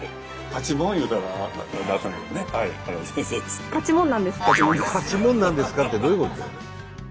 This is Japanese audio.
「パチモンなんですか？」ってどういうこと？